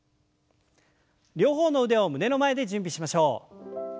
両方の腕を胸の前で準備しましょう。